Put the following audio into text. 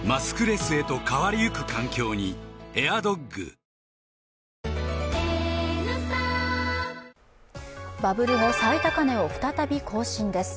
「ビオレ」バブル後最高値を再び更新です。